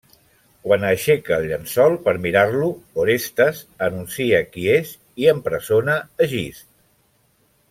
Quan aixeca el llençol per mirar-lo, Orestes anuncia qui és i empresona Egist.